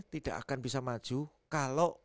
tidak akan bisa maju kalau